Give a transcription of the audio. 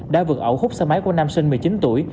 đã vượt ẩu khúc xe máy của nam sinh một mươi chín tuổi